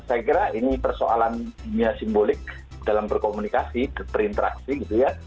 dan saya kira ini persoalan simbolik dalam berkomunikasi berinteraksi gitu ya